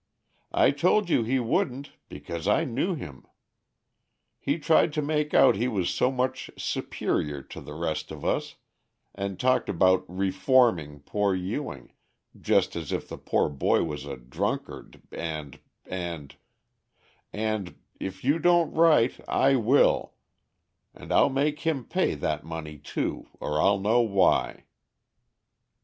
I told you he wouldn't, because I knew him. He tried to make out he was so much superior to the rest of us, and talked about 'reforming' poor Ewing, just as if the poor boy was a drunkard and and and if you don't write I will, and I'll make him pay that money too, or I'll know why."